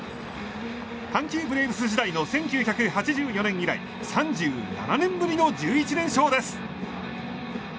阪急ブレーブス時代の１９８４年以来３７年ぶりの１１連勝です。